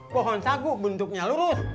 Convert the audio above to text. pohon sagu bentuknya lurus